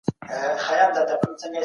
سیاستوالو به نوي تړونونه لاسلیک کول.